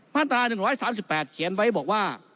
มาตรา๑๓๘เขียนไว้บอกว่า